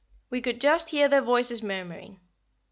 We could just hear their voices murmuring.